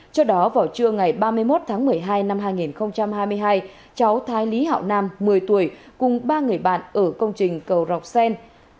cho đó vào trưa ngày ba mươi một tháng một mươi hai năm hai nghìn hai mươi hai cháu thái lý hảo nam một mươi tuổi cùng ba người bạn ở công trình cầu rọc sen